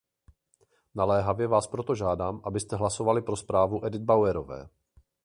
Naléhavě vás proto žádám, abyste hlasovali pro zprávu Edit Bauerové.